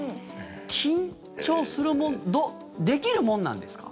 緊張するもんできるもんなんですか？